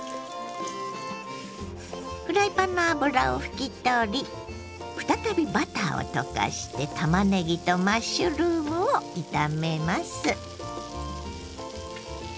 フライパンの油を拭き取り再びバターを溶かしてたまねぎとマッシュルームを炒めます。